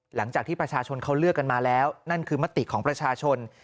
หลังจากที่ประชาชนเขาเลือกกันมาแล้วนั่นคือมติของประชาชน